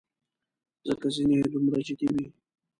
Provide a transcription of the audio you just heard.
ځکه ځینې یې دومره جدي وې.